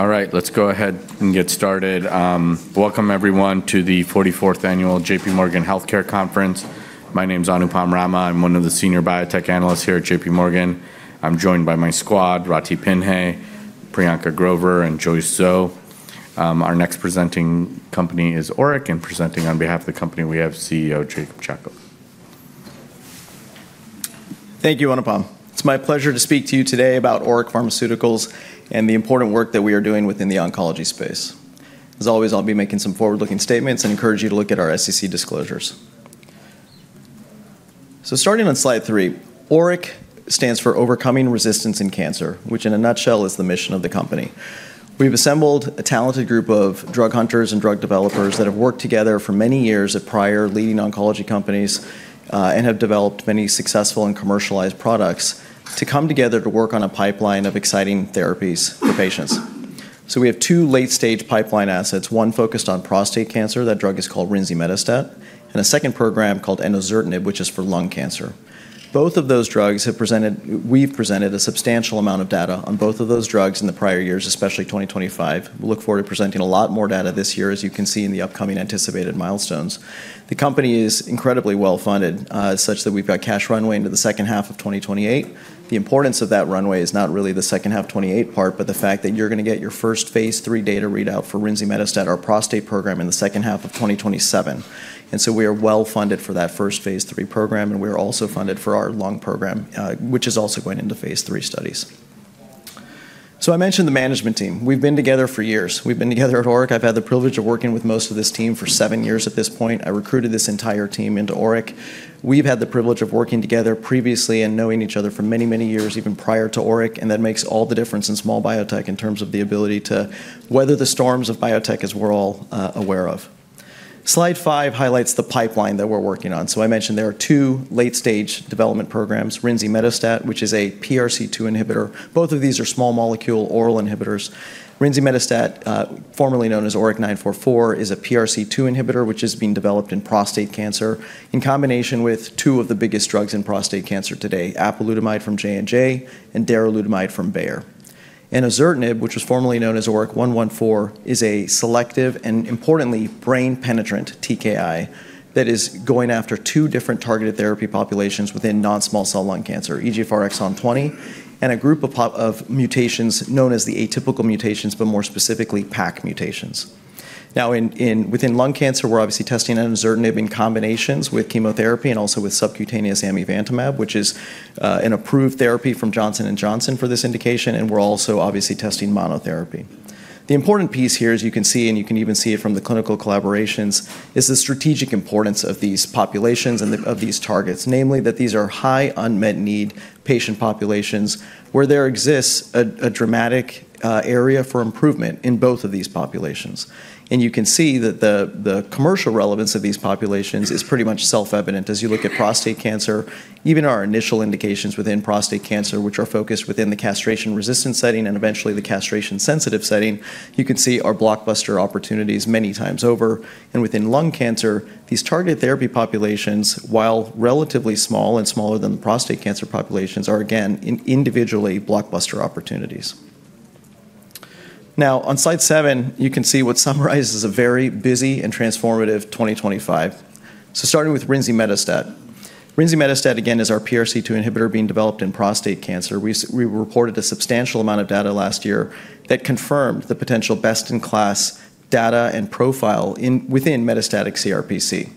All right, let's go ahead and get started. Welcome, everyone, to the 44th Annual JPMorgan Healthcare Conference. My name is Anupam Rama. I'm one of the senior biotech analysts here at JPMorgan. I'm joined by my squad, Rathi Pinhei, Priyanka Grover, and Joyce Zhou. Our next presenting company is ORIC, and presenting on behalf of the company, we have CEO Jacob Chacko. Thank you, Anupam. It's my pleasure to speak to you today about ORIC Pharmaceuticals and the important work that we are doing within the oncology space. As always, I'll be making some forward-looking statements and encourage you to look at our SEC disclosures. So starting on slide three, ORIC stands for Overcoming Resistance in Cancer, which in a nutshell is the mission of the company. We've assembled a talented group of drug hunters and drug developers that have worked together for many years at prior leading oncology companies and have developed many successful and commercialized products to come together to work on a pipeline of exciting therapies for patients. So we have two late-stage pipeline assets, one focused on prostate cancer. That drug is called rinzimetostat, and a second program called enozertinib, which is for lung cancer. Both of those drugs have presented, we've presented a substantial amount of data on both of those drugs in the prior years, especially 2025. We look forward to presenting a lot more data this year, as you can see in the upcoming anticipated milestones. The company is incredibly well-funded such that we've got cash runway into the second half of 2028. The importance of that runway is not really the second half 2028 part, but the fact that you're going to get your first phase III data readout for rinzimetostat, our prostate program, in the second half of 2027, and so we are well-funded for that first phase III program, and we are also funded for our lung program, which is also going into phase III studies, so I mentioned the management team. We've been together for years. We've been together at ORIC. I've had the privilege of working with most of this team for seven years at this point. I recruited this entire team into ORIC. We've had the privilege of working together previously and knowing each other for many, many years, even prior to ORIC, and that makes all the difference in small biotech in terms of the ability to weather the storms of biotech, as we're all aware of. Slide five highlights the pipeline that we're working on. So I mentioned there are two late-stage development programs: rinzimetostat, which is a PRC2 inhibitor. Both of these are small molecule oral inhibitors. Rinzimetostat, formerly known as ORIC-944, is a PRC2 inhibitor which is being developed in prostate cancer in combination with two of the biggest drugs in prostate cancer today: apalutamide from J&J and darolutamide from Bayer. Enozertinib, which was formerly known as ORIC-114, is a selective and, importantly, brain-penetrant TKI that is going after two different targeted therapy populations within non-small cell lung cancer: EGFR exon 20 and a group of mutations known as the atypical mutations, but more specifically PACC mutations. Now, within lung cancer, we're obviously testing enozertinib in combinations with chemotherapy and also with subcutaneous amivantamab, which is an approved therapy from Johnson & Johnson for this indication, and we're also obviously testing monotherapy. The important piece here, as you can see, and you can even see it from the clinical collaborations, is the strategic importance of these populations and of these targets, namely that these are high unmet need patient populations where there exists a dramatic area for improvement in both of these populations, and you can see that the commercial relevance of these populations is pretty much self-evident. As you look at prostate cancer, even our initial indications within prostate cancer, which are focused within the castration-resistant setting and eventually the castration-sensitive setting, you can see our blockbuster opportunities many times over, and within lung cancer, these targeted therapy populations, while relatively small and smaller than the prostate cancer populations, are again individually blockbuster opportunities. Now, on slide seven, you can see what summarizes a very busy and transformative 2025, so starting with rinzimetostat. Rinzimetostat, again, is our PRC2 inhibitor being developed in prostate cancer. We reported a substantial amount of data last year that confirmed the potential best-in-class data and profile within metastatic CRPC.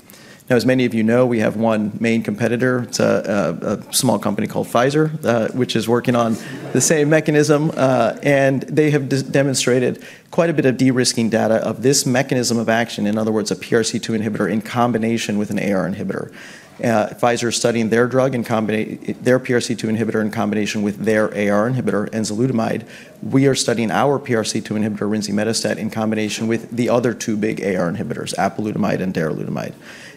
Now, as many of you know, we have one main competitor. It's a small company called Pfizer, which is working on the same mechanism, and they have demonstrated quite a bit of de-risking data of this mechanism of action. In other words, a PRC2 inhibitor in combination with an AR inhibitor. Pfizer is studying their drug in combination, their PRC2 inhibitor in combination with their AR inhibitor, enzalutamide. We are studying our PRC2 inhibitor, rinzimetostat, in combination with the other two big AR inhibitors, apalutamide and darolutamide.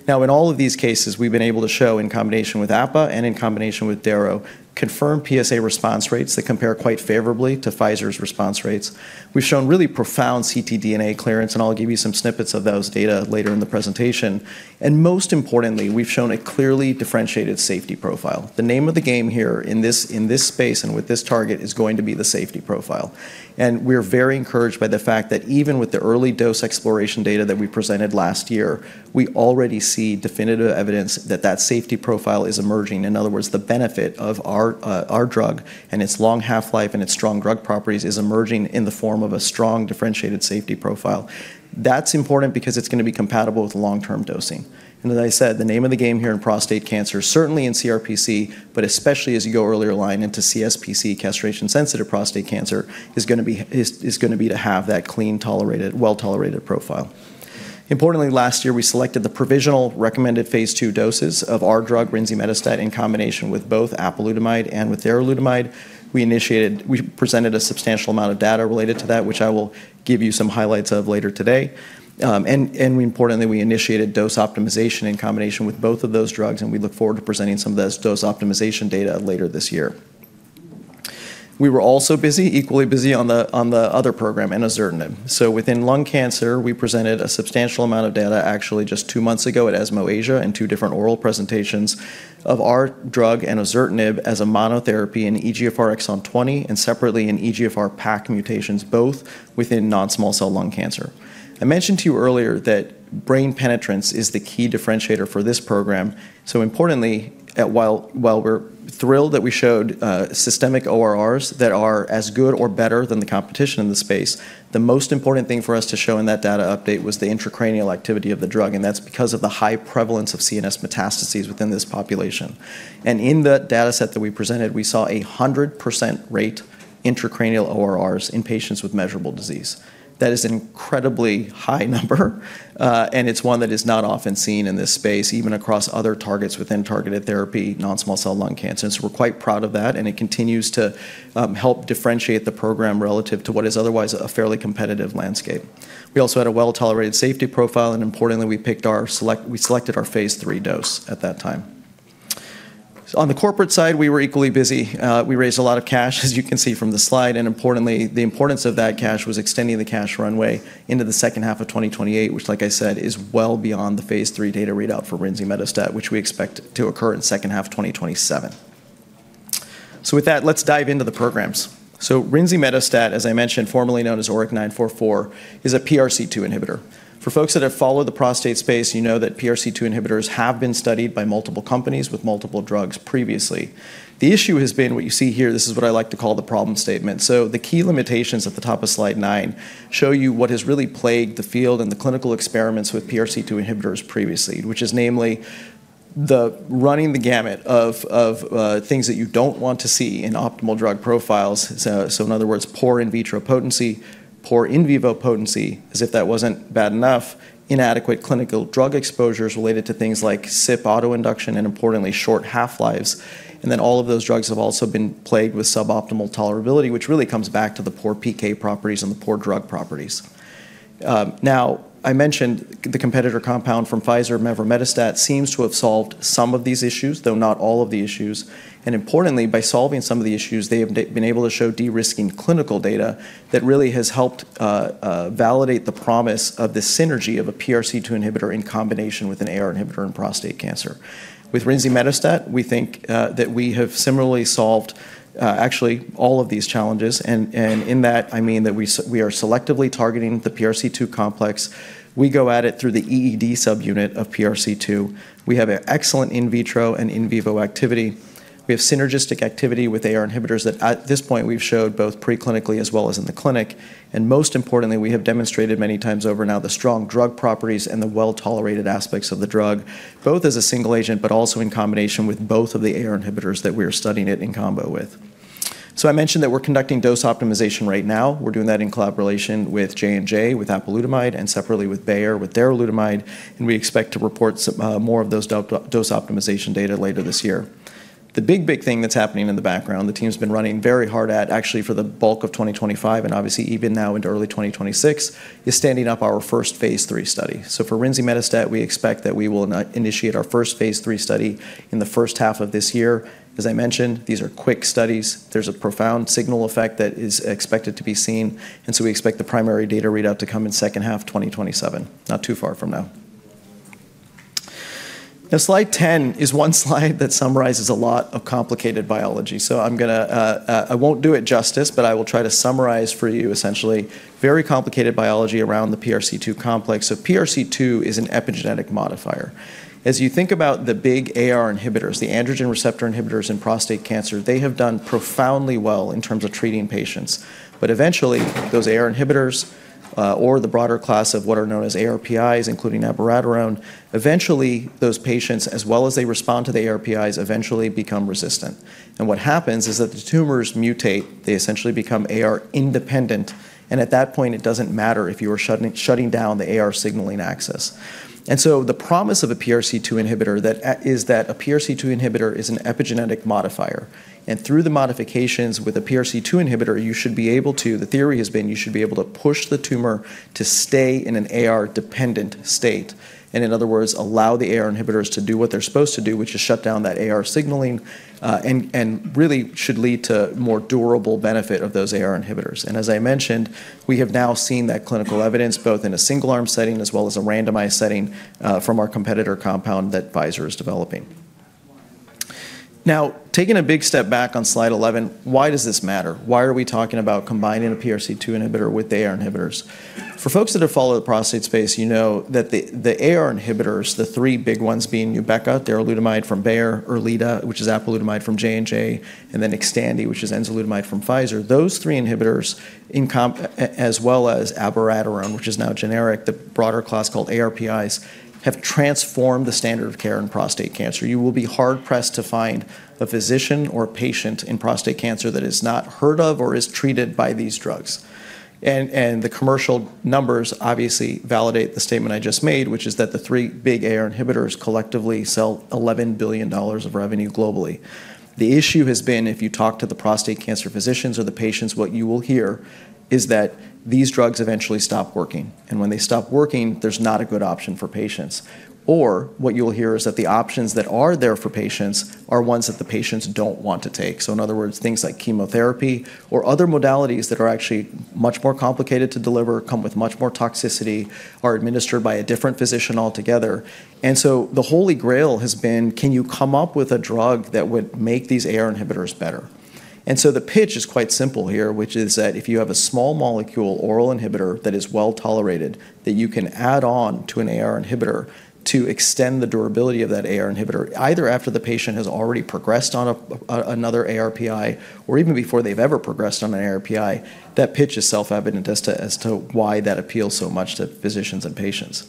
Now, in all of these cases, we've been able to show, in combination with APA and in combination with Daro confirmed PSA response rates that compare quite favorably to Pfizer's response rates. We've shown really profound ctDNA clearance, and I'll give you some snippets of those data later in the presentation, and most importantly, we've shown a clearly differentiated safety profile. The name of the game here in this space and with this target is going to be the safety profile. And we're very encouraged by the fact that even with the early dose exploration data that we presented last year, we already see definitive evidence that that safety profile is emerging. In other words, the benefit of our drug and its long half-life and its strong drug properties is emerging in the form of a strong differentiated safety profile. That's important because it's going to be compatible with long-term dosing. And as I said, the name of the game here in prostate cancer, certainly in CRPC, but especially as you go earlier line into CSPC, castration-sensitive prostate cancer, is going to be to have that clean, well-tolerated profile. Importantly, last year, we selected the provisional recommended phase II doses of our drug, rinzimetostat, in combination with both apalutamide and with darolutamide. We presented a substantial amount of data related to that, which I will give you some highlights of later today. And importantly, we initiated dose optimization in combination with both of those drugs, and we look forward to presenting some of those dose optimization data later this year. We were also busy, equally busy, on the other program, enozertinib. So within lung cancer, we presented a substantial amount of data actually just two months ago at ESMO Asia in two different oral presentations of our drug, enozertinib, as a monotherapy in EGFR exon 20 and separately in EGFR PACC mutations, both within non-small cell lung cancer. I mentioned to you earlier that brain penetrance is the key differentiator for this program. Importantly, while we're thrilled that we showed systemic ORRs that are as good or better than the competition in the space, the most important thing for us to show in that data update was the intracranial activity of the drug, and that's because of the high prevalence of CNS metastases within this population. In the dataset that we presented, we saw a 100% rate intracranial ORRs in patients with measurable disease. That is an incredibly high number, and it's one that is not often seen in this space, even across other targets within targeted therapy, non-small cell lung cancer. We're quite proud of that, and it continues to help differentiate the program relative to what is otherwise a fairly competitive landscape. We also had a well-tolerated safety profile, and importantly, we selected our phase III dose at that time. On the corporate side, we were equally busy. We raised a lot of cash, as you can see from the slide, and importantly, the importance of that cash was extending the cash runway into the second half of 2028, which, like I said, is well beyond the phase III data readout for rinzimetostat, which we expect to occur in the second half of 2027. So with that, let's dive into the programs. So rinzimetostat, as I mentioned, formerly known as ORIC-944, is a PRC2 inhibitor. For folks that have followed the prostate space, you know that PRC2 inhibitors have been studied by multiple companies with multiple drugs previously. The issue has been what you see here. This is what I like to call the problem statement. So the key limitations at the top of slide nine show you what has really plagued the field and the clinical experiments with PRC2 inhibitors previously, which is namely the running the gamut of things that you don't want to see in optimal drug profiles. So in other words, poor in vitro potency, poor in vivo potency, as if that wasn't bad enough, inadequate clinical drug exposures related to things like CYP autoinduction and, importantly, short half-lives. And then all of those drugs have also been plagued with suboptimal tolerability, which really comes back to the poor PK properties and the poor drug properties. Now, I mentioned the competitor compound from Pfizer, mevrometostat, seems to have solved some of these issues, though not all of the issues. Importantly, by solving some of the issues, they have been able to show de-risking clinical data that really has helped validate the promise of the synergy of a PRC2 inhibitor in combination with an AR inhibitor in prostate cancer. With rinzimetostat, we think that we have similarly solved actually all of these challenges. In that, I mean that we are selectively targeting the PRC2 complex. We go at it through the EED subunit of PRC2. We have excellent in vitro and in vivo activity. We have synergistic activity with AR inhibitors that at this point we've showed both preclinically as well as in the clinic. And most importantly, we have demonstrated many times over now the strong drug properties and the well-tolerated aspects of the drug, both as a single agent, but also in combination with both of the AR inhibitors that we are studying it in combo with. So I mentioned that we're conducting dose optimization right now. We're doing that in collaboration with J&J, with apalutamide, and separately with Bayer, with darolutamide. And we expect to report more of those dose optimization data later this year. The big, big thing that's happening in the background, the team's been running very hard at actually for the bulk of 2025 and obviously even now into early 2026, is standing up our first phase III study. So for rinzimetostat, we expect that we will initiate our first phase III study in the first half of this year. As I mentioned, these are quick studies. There's a profound signal effect that is expected to be seen, and so we expect the primary data readout to come in second half 2027, not too far from now. Now, slide 10 is one slide that summarizes a lot of complicated biology. So I'm going to, I won't do it justice, but I will try to summarize for you essentially very complicated biology around the PRC2 complex. So PRC2 is an epigenetic modifier. As you think about the big AR inhibitors, the androgen receptor inhibitors in prostate cancer, they have done profoundly well in terms of treating patients. But eventually, those AR inhibitors or the broader class of what are known as ARPIs, including abiraterone, eventually those patients, as well as they respond to the ARPIs, eventually become resistant. And what happens is that the tumors mutate. They essentially become AR-independent. And at that point, it doesn't matter if you are shutting down the AR signaling axis. And so the promise of a PRC2 inhibitor is that a PRC2 inhibitor is an epigenetic modifier. And through the modifications with a PRC2 inhibitor, you should be able to, the theory has been you should be able to push the tumor to stay in an AR-dependent state. And in other words, allow the AR inhibitors to do what they're supposed to do, which is shut down that AR signaling and really should lead to more durable benefit of those AR inhibitors. And as I mentioned, we have now seen that clinical evidence both in a single-arm setting as well as a randomized setting from our competitor compound that Pfizer is developing. Now, taking a big step back on slide 11, why does this matter? Why are we talking about combining a PRC2 inhibitor with AR inhibitors? For folks that have followed the prostate space, you know that the AR inhibitors, the three big ones being Nubeqa, darolutamide from Bayer, Erleada, which is apalutamide from J&J, and then Xtandi, which is enzalutamide from Pfizer, those three inhibitors, as well as abiraterone, which is now generic, the broader class called ARPIs, have transformed the standard of care in prostate cancer. You will be hard-pressed to find a physician or a patient in prostate cancer that is not heard of or is treated by these drugs, and the commercial numbers obviously validate the statement I just made, which is that the three big AR inhibitors collectively sell $11 billion of revenue globally. The issue has been, if you talk to the prostate cancer physicians or the patients, what you will hear is that these drugs eventually stop working. And when they stop working, there's not a good option for patients. Or what you'll hear is that the options that are there for patients are ones that the patients don't want to take. So in other words, things like chemotherapy or other modalities that are actually much more complicated to deliver, come with much more toxicity, are administered by a different physician altogether. And so the holy grail has been, can you come up with a drug that would make these AR inhibitors better? And so the pitch is quite simple here, which is that if you have a small molecule oral inhibitor that is well tolerated, that you can add on to an AR inhibitor to extend the durability of that AR inhibitor, either after the patient has already progressed on another ARPI or even before they've ever progressed on an ARPI, that pitch is self-evident as to why that appeals so much to physicians and patients.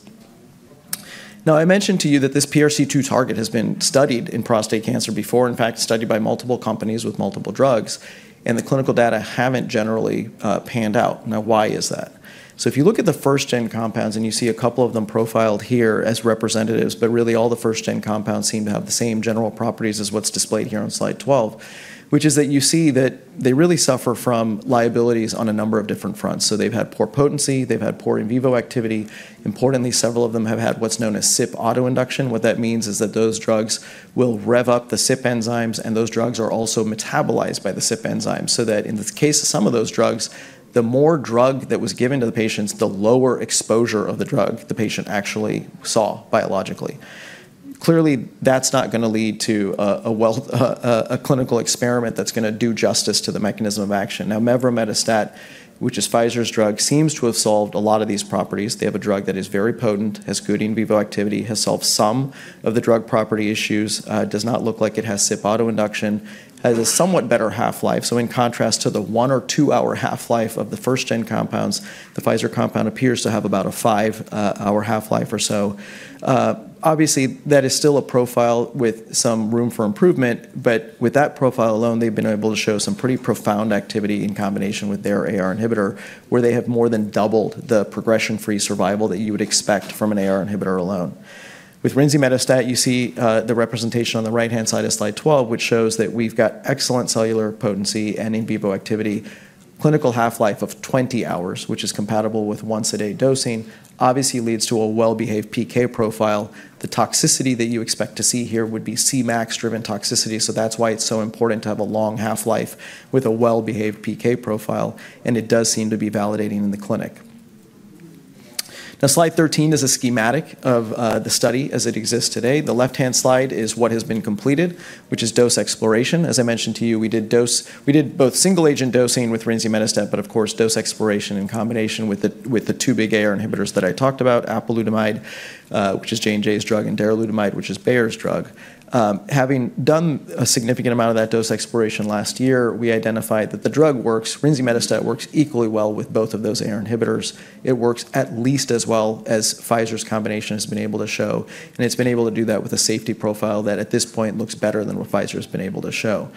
Now, I mentioned to you that this PRC2 target has been studied in prostate cancer before, in fact, studied by multiple companies with multiple drugs, and the clinical data haven't generally panned out. Now, why is that? So if you look at the first-gen compounds and you see a couple of them profiled here as representatives, but really all the first-gen compounds seem to have the same general properties as what's displayed here on slide 12, which is that you see that they really suffer from liabilities on a number of different fronts. So they've had poor potency, they've had poor in vivo activity. Importantly, several of them have had what's known as CYP autoinduction. What that means is that those drugs will rev up the CYP enzymes, and those drugs are also metabolized by the CYP enzymes so that in the case of some of those drugs, the more drug that was given to the patients, the lower exposure of the drug the patient actually saw biologically. Clearly, that's not going to lead to a clinical experiment that's going to do justice to the mechanism of action. Now, mevrometostat, which is Pfizer's drug, seems to have solved a lot of these properties. They have a drug that is very potent, has good in vivo activity, has solved some of the drug property issues, does not look like it has CYP autoinduction, has a somewhat better half-life. So in contrast to the one- or two-hour half-life of the first-gen compounds, the Pfizer compound appears to have about a five-hour half-life or so. Obviously, that is still a profile with some room for improvement, but with that profile alone, they've been able to show some pretty profound activity in combination with their AR inhibitor, where they have more than doubled the progression-free survival that you would expect from an AR inhibitor alone. With rinzimetostat, you see the representation on the right-hand side of slide 12, which shows that we've got excellent cellular potency and in vivo activity. Clinical half-life of 20 hours, which is compatible with once-a-day dosing, obviously leads to a well-behaved PK profile. The toxicity that you expect to see here would be Cmax-driven toxicity. So that's why it's so important to have a long half-life with a well-behaved PK profile. And it does seem to be validating in the clinic. Now, slide 13 is a schematic of the study as it exists today. The left-hand slide is what has been completed, which is dose exploration. As I mentioned to you, we did both single-agent dosing with rinzimetostat, but of course, dose exploration in combination with the two big AR inhibitors that I talked about, apalutamide, which is J&J's drug, and darolutamide, which is Bayer's drug. Having done a significant amount of that dose exploration last year, we identified that the drug works. Rinzimetostat works equally well with both of those AR inhibitors. It works at least as well as Pfizer's combination has been able to show, and it's been able to do that with a safety profile that at this point looks better than what Pfizer has been able to show.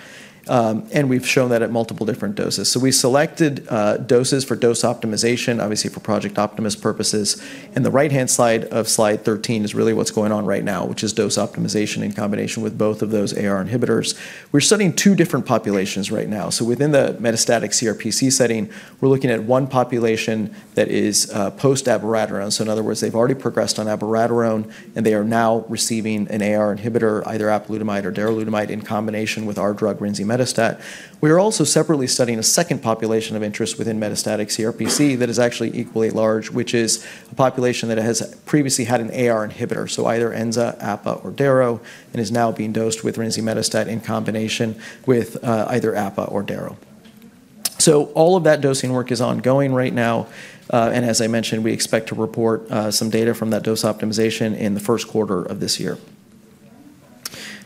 And we've shown that at multiple different doses, so we selected doses for dose optimization, obviously for Project Optimist purposes, and the right-hand side of slide 13 is really what's going on right now, which is dose optimization in combination with both of those AR inhibitors. We're studying two different populations right now, so within the metastatic CRPC setting, we're looking at one population that is post-abiraterone. So in other words, they've already progressed on abiraterone, and they are now receiving an AR inhibitor, either apalutamide or darolutamide in combination with our drug, rinzimetostat. We are also separately studying a second population of interest within metastatic CRPC that is actually equally large, which is a population that has previously had an AR inhibitor, so either ENZA, APA, or Daro, and is now being dosed with rinzimetostat in combination with either APA or Daro. So all of that dosing work is ongoing right now. And as I mentioned, we expect to report some data from that dose optimization in the first quarter of this year.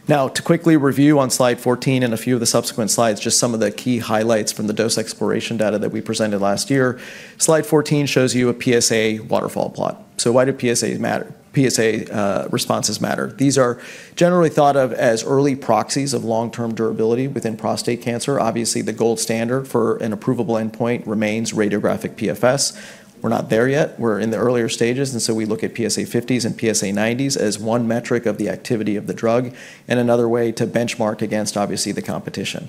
Now, to quickly review on slide 14 and a few of the subsequent slides, just some of the key highlights from the dose exploration data that we presented last year. Slide 14 shows you a PSA waterfall plot. So why do PSA responses matter? These are generally thought of as early proxies of long-term durability within prostate cancer. Obviously, the gold standard for an approvable endpoint remains radiographic PFS. We're not there yet. We're in the earlier stages. And so we look at PSA 50s and PSA 90s as one metric of the activity of the drug and another way to benchmark against, obviously, the competition.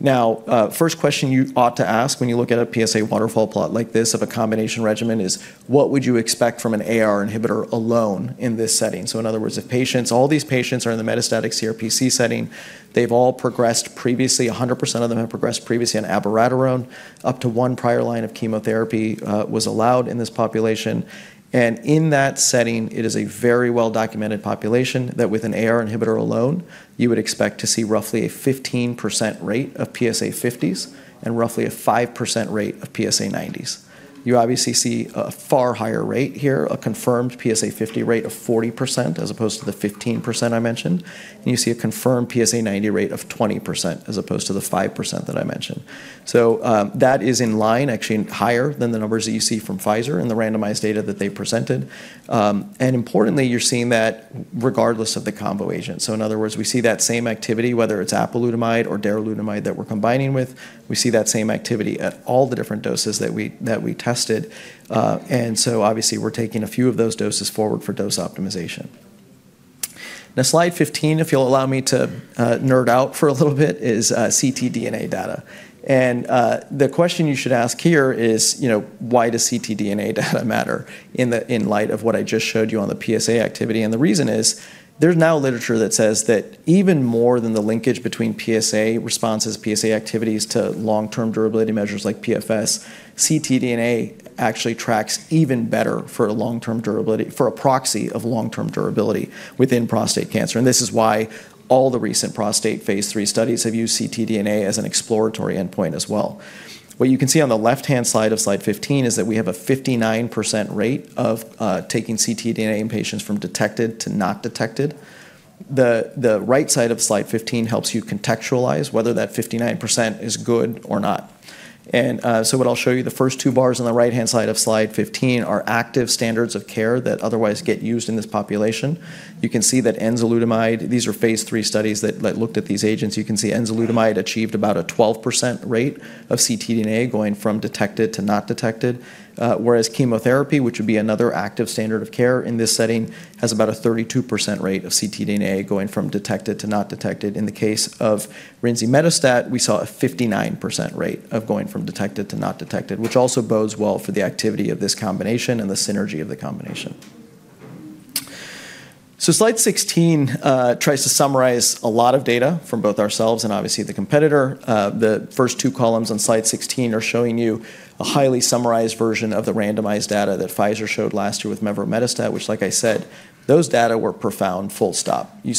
Now, first question you ought to ask when you look at a PSA waterfall plot like this of a combination regimen is, what would you expect from an AR inhibitor alone in this setting? So in other words, if patients, all these patients are in the metastatic CRPC setting, they've all progressed previously. 100% of them have progressed previously on abiraterone. Up to one prior line of chemotherapy was allowed in this population. And in that setting, it is a very well-documented population that with an AR inhibitor alone, you would expect to see roughly a 15% rate of PSA 50s and roughly a 5% rate of PSA 90s. You obviously see a far higher rate here, a confirmed PSA 50 rate of 40% as opposed to the 15% I mentioned. And you see a confirmed PSA 90 rate of 20% as opposed to the 5% that I mentioned. So that is in line, actually higher than the numbers that you see from Pfizer and the randomized data that they presented. And importantly, you're seeing that regardless of the combo agent. So in other words, we see that same activity, whether it's apalutamide or darolutamide that we're combining with, we see that same activity at all the different doses that we tested. And so obviously, we're taking a few of those doses forward for dose optimization. Now, slide 15, if you'll allow me to nerd out for a little bit, is ctDNA data. And the question you should ask here is, why does ctDNA data matter in light of what I just showed you on the PSA activity? And the reason is there's now literature that says that even more than the linkage between PSA responses, PSA activities to long-term durability measures like PFS, ctDNA actually tracks even better for a long-term durability, for a proxy of long-term durability within prostate cancer. And this is why all the recent prostate phase III studies have used ctDNA as an exploratory endpoint as well. What you can see on the left-hand side of slide 15 is that we have a 59% rate of taking ctDNA in patients from detected to not detected. The right side of slide 15 helps you contextualize whether that 59% is good or not. So what I'll show you, the first two bars on the right-hand side of slide 15 are active standards of care that otherwise get used in this population. You can see that enzalutamide, these are phase III studies that looked at these agents. You can see enzalutamide achieved about a 12% rate of ctDNA going from detected to not detected. Whereas chemotherapy, which would be another active standard of care in this setting, has about a 32% rate of ctDNA going from detected to not detected. In the case of rinzimetostat, we saw a 59% rate of going from detected to not detected, which also bodes well for the activity of this combination and the synergy of the combination. So slide 16 tries to summarize a lot of data from both ourselves and obviously the competitor. The first two columns on slide 16 are showing you a highly summarized version of the randomized data that Pfizer showed last year with mevrometostat, which, like I said, those data were profound, full stop. You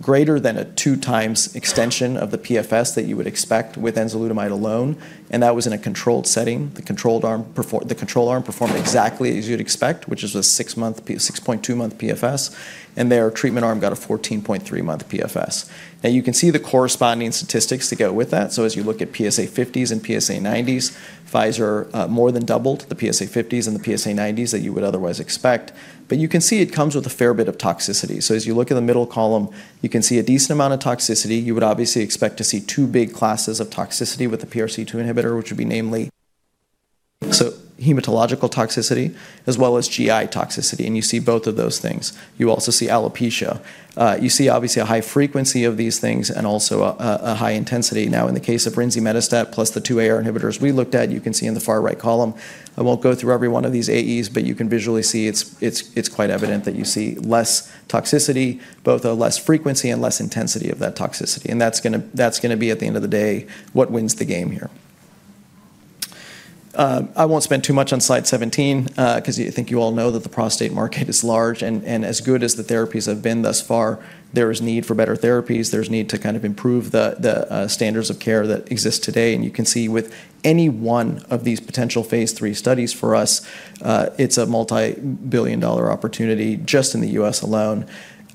saw greater than a two-times extension of the PFS that you would expect with enzalutamide alone. And that was in a controlled setting. The control arm performed exactly as you'd expect, which is a 6.2-month PFS. And their treatment arm got a 14.3-month PFS. Now, you can see the corresponding statistics to go with that. So as you look at PSA 50s and PSA 90s, Pfizer more than doubled the PSA 50s and the PSA 90s that you would otherwise expect. But you can see it comes with a fair bit of toxicity. So as you look at the middle column, you can see a decent amount of toxicity. You would obviously expect to see two big classes of toxicity with the PRC2 inhibitor, which would be namely hematological toxicity as well as GI toxicity. And you see both of those things. You also see alopecia. You see obviously a high frequency of these things and also a high intensity. Now, in the case of rinzimetostat plus the two AR inhibitors we looked at, you can see in the far right column. I won't go through every one of these AEs, but you can visually see it's quite evident that you see less toxicity, both a less frequency and less intensity of that toxicity. And that's going to be, at the end of the day, what wins the game here. I won't spend too much on slide 17 because I think you all know that the prostate market is large. And as good as the therapies have been thus far, there is need for better therapies. There's need to kind of improve the standards of care that exist today. And you can see with any one of these potential phase III studies for us, it's a multi-billion dollar opportunity just in the U.S. alone.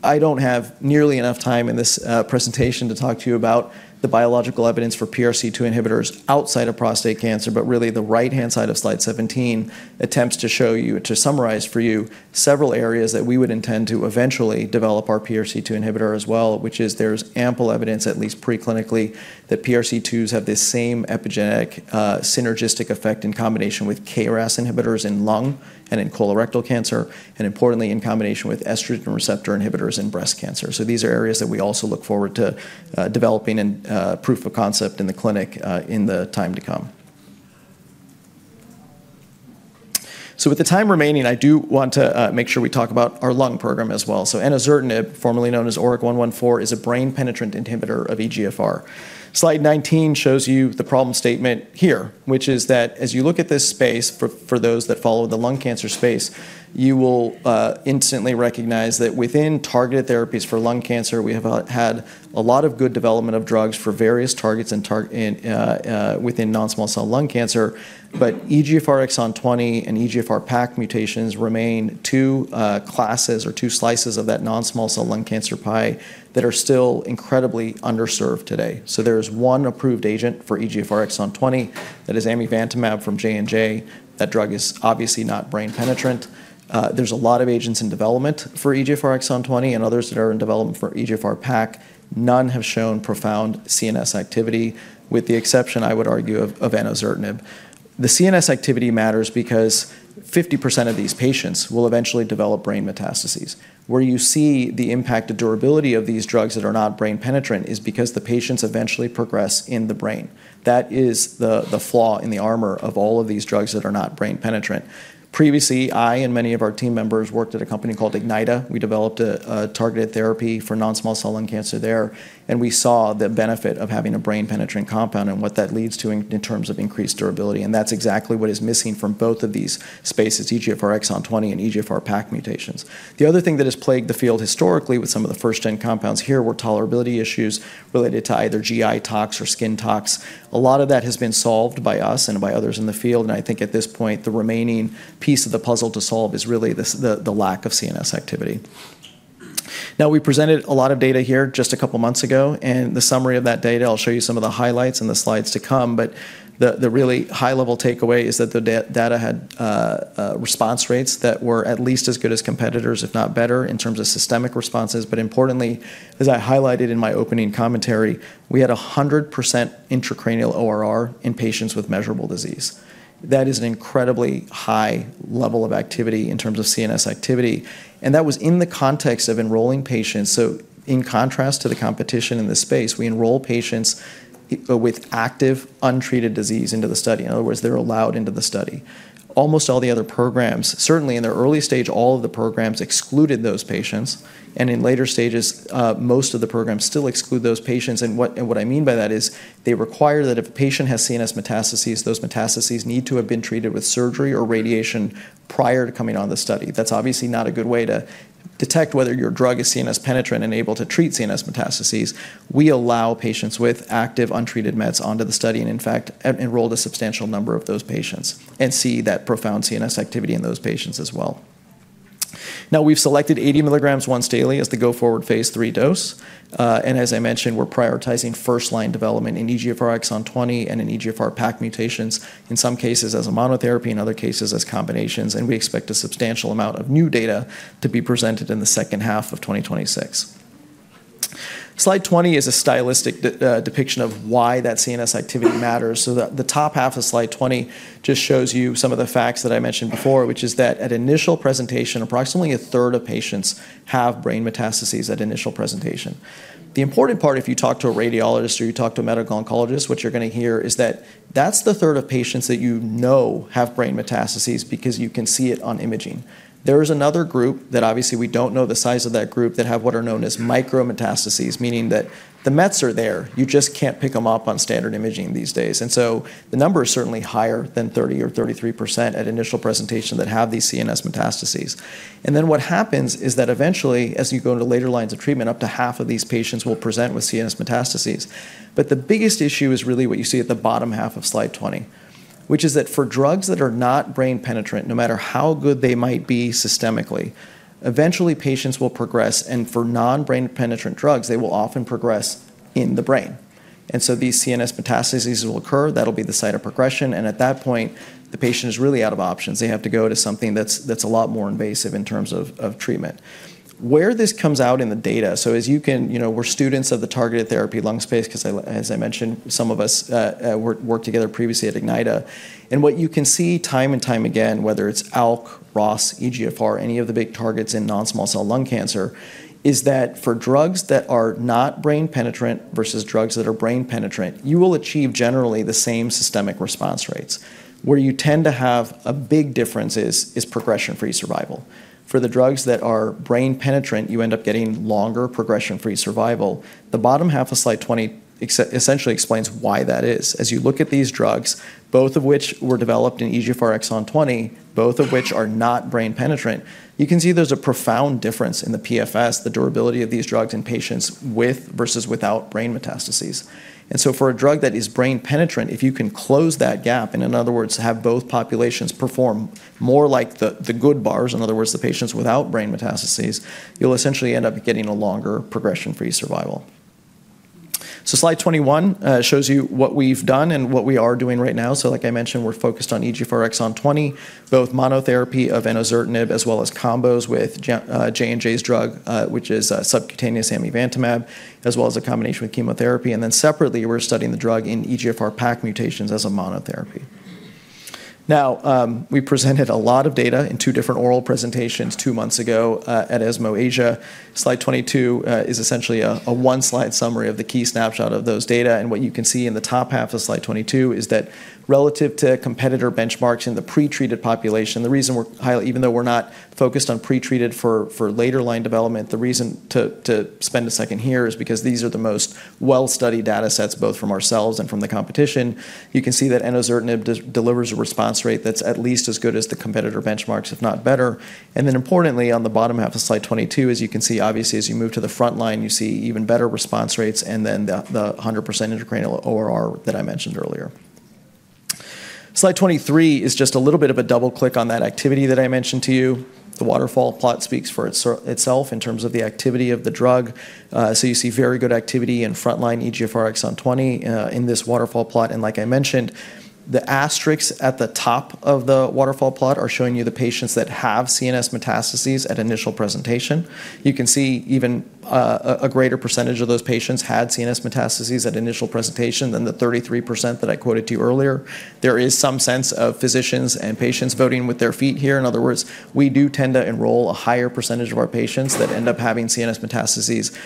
I don't have nearly enough time in this presentation to talk to you about the biological evidence for PRC2 inhibitors outside of prostate cancer, but really the right-hand side of slide 17 attempts to show you, to summarize for you, several areas that we would intend to eventually develop our PRC2 inhibitor as well, which is there's ample evidence, at least preclinically, that PRC2s have the same epigenetic, synergistic effect in combination with KRAS inhibitors in lung and in colorectal cancer, and importantly, in combination with estrogen receptor inhibitors in breast cancer, so these are areas that we also look forward to developing and proof of concept in the clinic in the time to come. So with the time remaining, I do want to make sure we talk about our lung program as well, so enozertinib, formerly known as ORIC-114, is a brain-penetrant inhibitor of EGFR. Slide 19 shows you the problem statement here, which is that as you look at this space for those that follow the lung cancer space, you will instantly recognize that within targeted therapies for lung cancer, we have had a lot of good development of drugs for various targets within non-small cell lung cancer. But EGFR exon 20 and EGFR PACC mutations remain two classes or two slices of that non-small cell lung cancer pie that are still incredibly underserved today. So there is one approved agent for EGFR exon 20 that is amivantamab from J&J. That drug is obviously not brain-penetrant. There's a lot of agents in development for EGFR exon 20 and others that are in development for EGFR PACC. None have shown profound CNS activity, with the exception, I would argue, of enozertinib. The CNS activity matters because 50% of these patients will eventually develop brain metastases. Where you see the impact of durability of these drugs that are not brain-penetrant is because the patients eventually progress in the brain. That is the flaw in the armor of all of these drugs that are not brain-penetrant. Previously, I and many of our team members worked at a company called Ignyta. We developed a targeted therapy for non-small cell lung cancer there. And we saw the benefit of having a brain-penetrant compound and what that leads to in terms of increased durability. And that's exactly what is missing from both of these spaces, EGFR exon 20 and EGFR PACC mutations. The other thing that has plagued the field historically with some of the first-gen compounds here were tolerability issues related to either GI tox or skin tox. A lot of that has been solved by us and by others in the field. I think at this point, the remaining piece of the puzzle to solve is really the lack of CNS activity. Now, we presented a lot of data here just a couple of months ago. The summary of that data, I'll show you some of the highlights and the slides to come. The really high-level takeaway is that the data had response rates that were at least as good as competitors, if not better, in terms of systemic responses. Importantly, as I highlighted in my opening commentary, we had 100% intracranial ORR in patients with measurable disease. That is an incredibly high level of activity in terms of CNS activity. That was in the context of enrolling patients. In contrast to the competition in this space, we enroll patients with active untreated disease into the study. In other words, they're allowed into the study. Almost all the other programs, certainly in their early stage, all of the programs excluded those patients. And in later stages, most of the programs still exclude those patients. And what I mean by that is they require that if a patient has CNS metastases, those metastases need to have been treated with surgery or radiation prior to coming on the study. That's obviously not a good way to detect whether your drug is CNS penetrant and able to treat CNS metastases. We allow patients with active untreated mets onto the study and, in fact, enrolled a substantial number of those patients and see that profound CNS activity in those patients as well. Now, we've selected 80 mg once daily as the go-forward phase III dose. As I mentioned, we're prioritizing first-line development in EGFR exon 20 and in EGFR PACC mutations, in some cases as a monotherapy, in other cases as combinations. We expect a substantial amount of new data to be presented in the second half of 2026. Slide 20 is a stylistic depiction of why that CNS activity matters. The top half of slide 20 just shows you some of the facts that I mentioned before, which is that at initial presentation, approximately a third of patients have brain metastases at initial presentation. The important part, if you talk to a radiologist or you talk to a medical oncologist, what you're going to hear is that that's the third of patients that you know have brain metastases because you can see it on imaging. There is another group that obviously we don't know the size of that group that have what are known as micro-metastases, meaning that the mets are there. You just can't pick them up on standard imaging these days. And so the number is certainly higher than 30% or 33% at initial presentation that have these CNS metastases. And then what happens is that eventually, as you go into later lines of treatment, up to half of these patients will present with CNS metastases. But the biggest issue is really what you see at the bottom half of slide 20, which is that for drugs that are not brain-penetrant, no matter how good they might be systemically, eventually patients will progress. And for non-brain-penetrant drugs, they will often progress in the brain. And so these CNS metastases will occur. That'll be the site of progression. And at that point, the patient is really out of options. They have to go to something that's a lot more invasive in terms of treatment. Where this comes out in the data, so as you can, we're students of the targeted therapy lung space because, as I mentioned, some of us worked together previously at Ignyta. And what you can see time and time again, whether it's ALK, ROS, EGFR, any of the big targets in non-small cell lung cancer, is that for drugs that are not brain-penetrant versus drugs that are brain-penetrant, you will achieve generally the same systemic response rates. Where you tend to have a big difference is progression-free survival. For the drugs that are brain-penetrant, you end up getting longer progression-free survival. The bottom half of slide 20 essentially explains why that is. As you look at these drugs, both of which were developed in EGFR exon 20, both of which are not brain-penetrant, you can see there's a profound difference in the PFS, the durability of these drugs in patients with versus without brain metastases, and so for a drug that is brain-penetrant, if you can close that gap, and in other words, have both populations perform more like the good bars, in other words, the patients without brain metastases, you'll essentially end up getting a longer progression-free survival, so slide 21 shows you what we've done and what we are doing right now, so like I mentioned, we're focused on EGFR exon 20, both monotherapy of enozertinib as well as combos with J&J's drug, which is subcutaneous amivantamab, as well as a combination with chemotherapy, and then separately, we're studying the drug in EGFR PACC mutations as a monotherapy. Now, we presented a lot of data in two different oral presentations two months ago at ESMO Asia. Slide 22 is essentially a one-slide summary of the key snapshot of those data, and what you can see in the top half of slide 22 is that relative to competitor benchmarks in the pretreated population, the reason we're highlighting, even though we're not focused on pretreated for later line development, the reason to spend a second here is because these are the most well-studied data sets, both from ourselves and from the competition. You can see that enozertinib delivers a response rate that's at least as good as the competitor benchmarks, if not better. Then importantly, on the bottom half of slide 22, as you can see, obviously, as you move to the front line, you see even better response rates and then the 100% intracranial ORR that I mentioned earlier. Slide 23 is just a little bit of a double-click on that activity that I mentioned to you. The waterfall plot speaks for itself in terms of the activity of the drug. So you see very good activity in front line EGFR exon 20 in this waterfall plot. And like I mentioned, the asterisks at the top of the waterfall plot are showing you the patients that have CNS metastases at initial presentation. You can see even a greater percentage of those patients had CNS metastases at initial presentation than the 33% that I quoted to you earlier. There is some sense of physicians and patients voting with their feet here. In other words, we do tend to enroll a higher percentage of our patients that end up having CNS metastases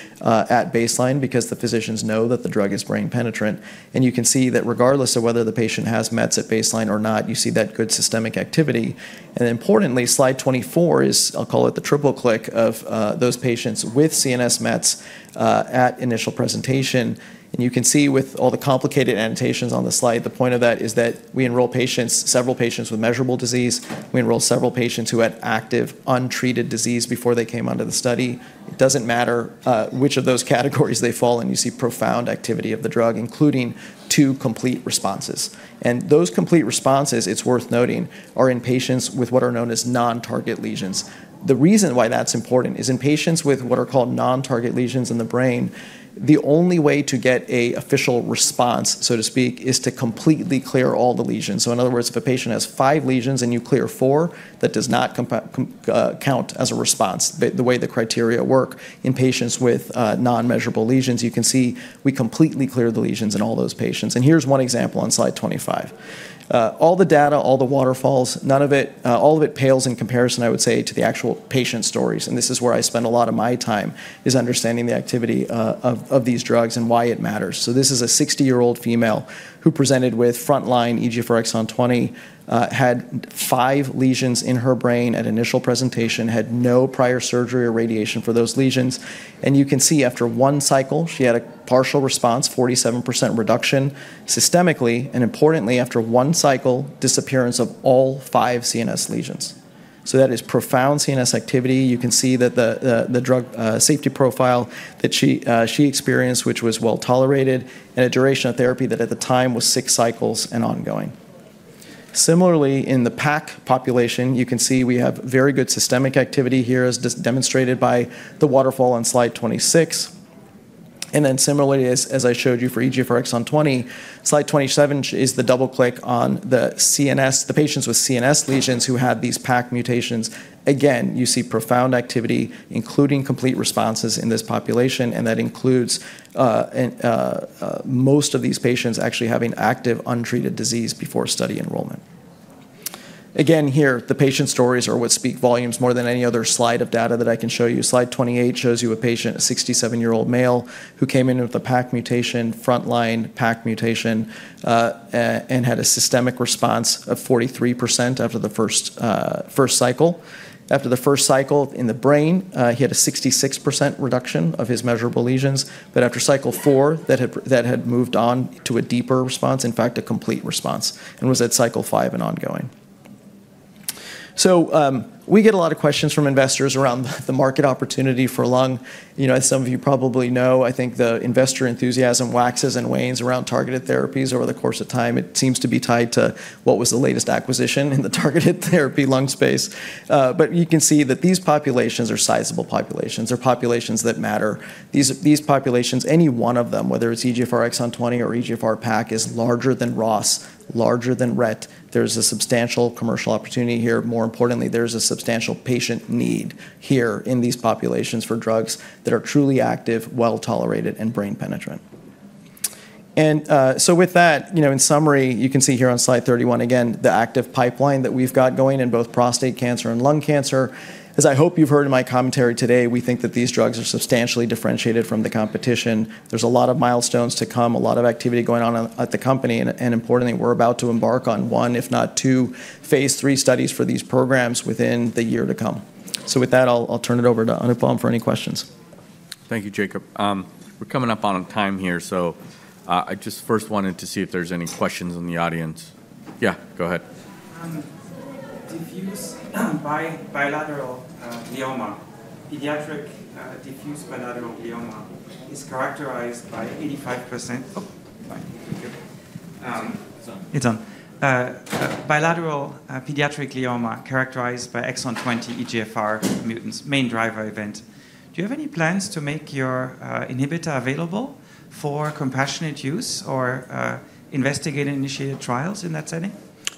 at baseline because the physicians know that the drug is brain-penetrant, and you can see that regardless of whether the patient has mets at baseline or not, you see that good systemic activity, and importantly, slide 24 is, I'll call it the triple check of those patients with CNS mets at initial presentation, and you can see with all the complicated annotations on the slide, the point of that is that we enroll patients, several patients with measurable disease. We enroll several patients who had active, untreated disease before they came onto the study. It doesn't matter which of those categories they fall in. You see profound activity of the drug, including two complete responses. And those complete responses, it's worth noting, are in patients with what are known as non-target lesions. The reason why that's important is in patients with what are called non-target lesions in the brain, the only way to get an official response, so to speak, is to completely clear all the lesions. So in other words, if a patient has five lesions and you clear four, that does not count as a response. The way the criteria work in patients with non-measurable lesions, you can see we completely clear the lesions in all those patients. And here's one example on slide 25. All the data, all the waterfalls, none of it, all of it pales in comparison, I would say, to the actual patient stories. And this is where I spend a lot of my time, is understanding the activity of these drugs and why it matters. So this is a 60-year-old female who presented with frontline EGFR exon 20, had five lesions in her brain at initial presentation, had no prior surgery or radiation for those lesions. And you can see after one cycle, she had a partial response, 47% reduction systemically. And importantly, after one cycle, disappearance of all five CNS lesions. So that is profound CNS activity. You can see that the drug safety profile that she experienced, which was well tolerated, and a duration of therapy that at the time was six cycles and ongoing. Similarly, in the PACC population, you can see we have very good systemic activity here, as demonstrated by the waterfall on slide 26. And then similarly, as I showed you for EGFR exon 20, slide 27 is the double-click on the CNS, the patients with CNS lesions who have these PACC mutations. Again, you see profound activity, including complete responses in this population, and that includes most of these patients actually having active, untreated disease before study enrollment. Again, here, the patient stories are what speak volumes more than any other slide of data that I can show you. Slide 28 shows you a patient, a 67-year-old male who came in with a PACC mutation, frontline PACC mutation, and had a systemic response of 43% after the first cycle. After the first cycle in the brain, he had a 66% reduction of his measurable lesions, but after cycle four, that had moved on to a deeper response, in fact, a complete response, and was at cycle five and ongoing. So we get a lot of questions from investors around the market opportunity for lung. As some of you probably know, I think the investor enthusiasm waxes and wanes around targeted therapies over the course of time. It seems to be tied to what was the latest acquisition in the targeted therapy lung space. But you can see that these populations are sizable populations. They're populations that matter. These populations, any one of them, whether it's EGFR exon 20 or EGFR PACC, is larger than ROS, larger than RET. There's a substantial commercial opportunity here. More importantly, there's a substantial patient need here in these populations for drugs that are truly active, well tolerated, and brain-penetrant. And so with that, in summary, you can see here on slide 31, again, the active pipeline that we've got going in both prostate cancer and lung cancer. As I hope you've heard in my commentary today, we think that these drugs are substantially differentiated from the competition. There's a lot of milestones to come, a lot of activity going on at the company. And importantly, we're about to embark on one, if not two, phase III studies for these programs within the year to come. So with that, I'll turn it over to Anupam for any questions. Thank you, Jacob. We're coming up on time here. So I just first wanted to see if there's any questions in the audience. Yeah, go ahead. Diffuse bilateral glioma, pediatric diffuse bilateral glioma is characterized by 85%. Bilateral pediatric glioma characterized by exon 20 EGFR mutants, main driver event. Do you have any plans to make your inhibitor available for compassionate use or investigator-initiated trials in that setting?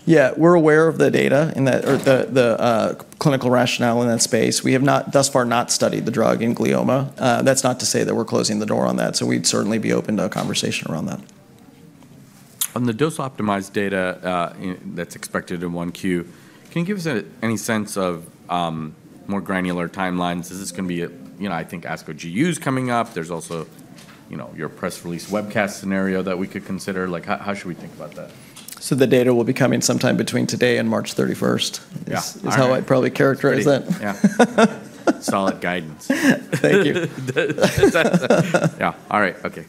Yeah, we're aware of the data or the clinical rationale in that space. We have thus far not studied the drug in glioma. That's not to say that we're closing the door on that. So we'd certainly be open to a conversation around that. On the dose-optimized data that's expected in Q1, can you give us any sense of more granular timelines? This is going to be, I think, ASCO GU coming up. There's also your press release webcast scenario that we could consider. How should we think about that? So the data will be coming sometime between today and March 31st is how I'd probably characterize it. Yeah. Solid guidance. Thank you. Yeah. All right. Okay.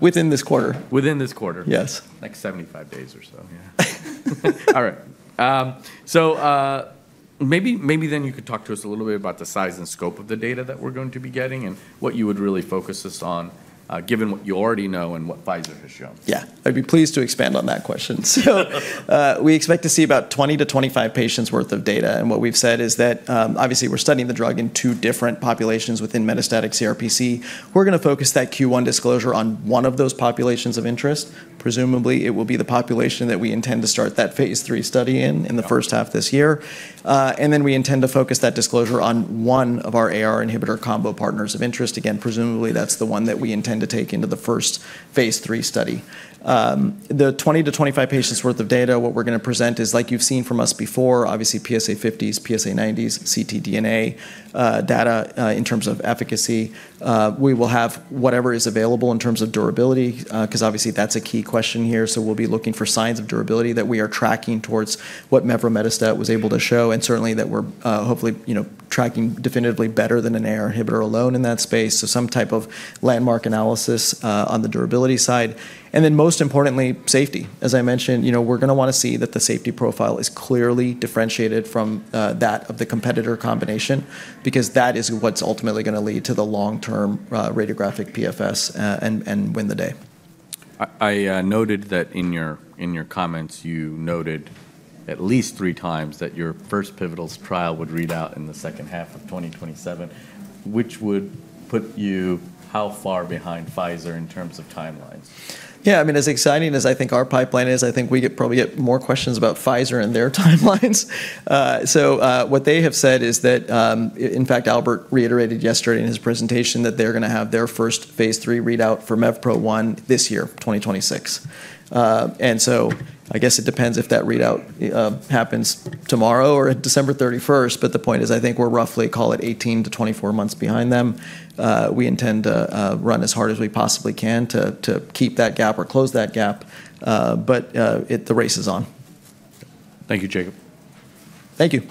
Within this quarter. Yes. Next 75 days or so. Yeah. All right. Maybe then you could talk to us a little bit about the size and scope of the data that we're going to be getting and what you would really focus us on, given what you already know and what Pfizer has shown. Yeah. I'd be pleased to expand on that question. We expect to see about 20-25 patients' worth of data. What we've said is that obviously we're studying the drug in two different populations within metastatic CRPC. We're going to focus that Q1 disclosure on one of those populations of interest. Presumably, it will be the population that we intend to start that phase III study in in the first half this year. Then we intend to focus that disclosure on one of our AR inhibitor combo partners of interest. Again, presumably, that's the one that we intend to take into the first phase III study. The 20-25 patients' worth of data, what we're going to present is, like you've seen from us before, obviously PSA 50s, PSA 90s, ctDNA data in terms of efficacy. We will have whatever is available in terms of durability because obviously that's a key question here. We'll be looking for signs of durability that we are tracking towards what mevrometostat was able to show. And certainly that we're hopefully tracking definitively better than an AR inhibitor alone in that space. Some type of landmark analysis on the durability side. And then most importantly, safety. As I mentioned, we're going to want to see that the safety profile is clearly differentiated from that of the competitor combination because that is what's ultimately going to lead to the long-term radiographic PFS and win the day. I noted that in your comments, you noted at least three times that your first pivotal trial would read out in the second half of 2027, which would put you how far behind Pfizer in terms of timelines? Yeah. I mean, as exciting as I think our pipeline is, I think we probably get more questions about Pfizer and their timelines. So what they have said is that, in fact, Albert reiterated yesterday in his presentation that they're going to have their first phase III readout for MEVPRO-1 this year, 2026, and so I guess it depends if that readout happens tomorrow or December 31st. But the point is, I think we're roughly, call it 18-24 months behind them. We intend to run as hard as we possibly can to keep that gap or close that gap. But the race is on. Thank you, Jacob. Thank you.